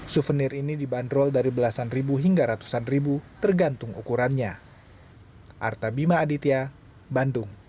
suvenir ini dibanderol dari belasan ribu hingga ratusan ribu tergantung ukurannya